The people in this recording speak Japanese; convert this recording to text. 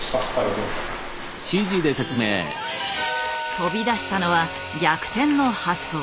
飛び出したのは逆転の発想。